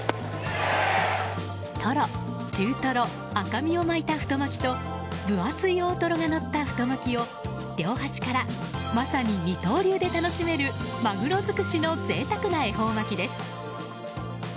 トロ、中トロ赤身を巻いた太巻きと分厚い大トロがのった太巻きを両端からまさに二刀流で楽しめるマグロ尽くしの贅沢な恵方巻きです。